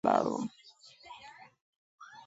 زه هره ورځ د کور دروازې ته د مڼې ونې لاندې ولاړه وم.